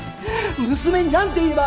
娘になんて言えば！